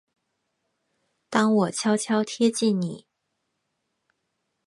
当我悄悄贴近你